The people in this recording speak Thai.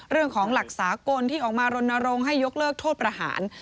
เรื่องของหลักสากลที่ออกมารณรงค์ให้ยกเลิกโทษประหาร